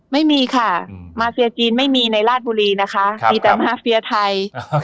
ไม่มีค่ะมาเฟียจีนไม่มีในราชบุรีนะคะมีแต่มาเฟียไทย